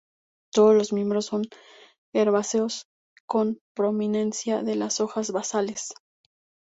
Todos los miembros son herbáceos, con prominencia de las hojas basales.